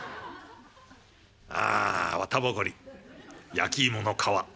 あ綿ぼこり焼き芋の皮。